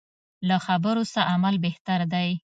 له خبرو څه عمل بهتر دی.